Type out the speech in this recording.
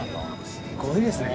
すごいですね。